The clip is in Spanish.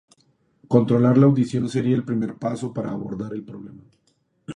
Controlar la audición sería el primer paso para abordar el problema.